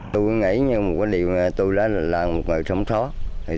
tôi nghĩ là tôi là một người sống sót